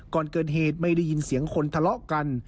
ก่อนเกิดเหตุไม่ได้ยินเสียงคนทะเลาะกัน